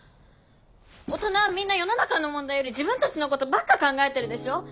大人はみんな世の中の問題より自分たちのことばっか考えてるでしょ！